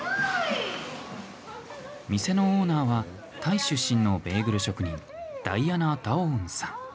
店のオーナーはタイ出身のベーグル職人ダイアナ・ダオウンさん。